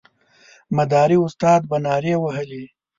مداري استاد به نارې وهلې.